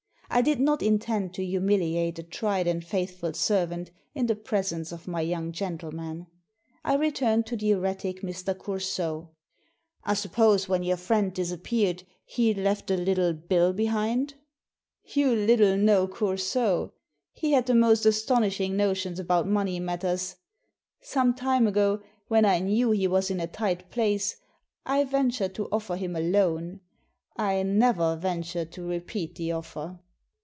I did not intend to humiliate a tried and faithful servant in the presence of my young gentleman. I returned to the erratic Mr. Coursault " I suppose when your friend disappeared he left a little bill behind." "You little know Coursault! He had the most Digitized by Google THE VIOLIN 99 astonishing notions about money matters. Some time ago, when I knew he was in a tight place, I ventured to offer him a loan, I never ventured to repeat the offer."